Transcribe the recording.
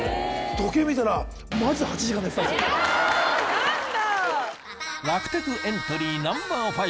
何だ！